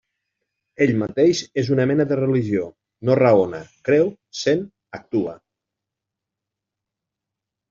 Ell mateix és una mena de religió; no raona, creu, sent, actua.